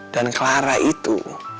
dan clara itu